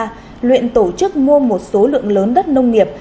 nguyễn thái luyện tổ chức mua một số lượng lớn đất nông nghiệp